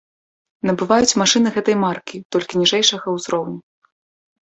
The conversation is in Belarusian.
Набываюць машыны гэтай маркі толькі ніжэйшага ўзроўню.